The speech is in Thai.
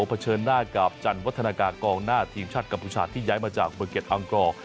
เฉินหน้ากับจันวัฒนากากองหน้าทีมชาติกัมพูชาที่ย้ายมาจากเบอร์เก็ตอังกอร์